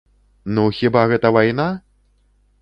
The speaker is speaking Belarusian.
Ну, хіба гэта вайна?